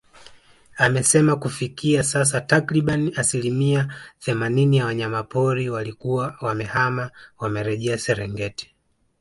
Amesema kufikia sasa takriban asilimia themanini ya wanyama pori waliokuwa wamehama wamerejea Serengeti